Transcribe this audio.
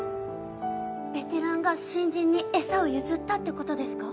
ベテランが新人に餌を譲ったってことですか？